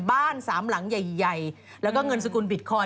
สามหลังใหญ่แล้วก็เงินสกุลบิตคอยน